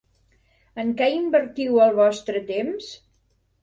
En què invertiu el vostre temps?